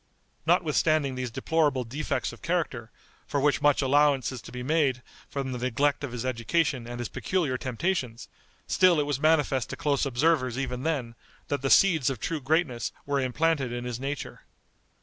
Notwithstanding these deplorable defects of character, for which much allowance is to be made from the neglect of his education and his peculiar temptations, still it was manifest to close observers even then, that the seeds of true greatness were implanted in his nature.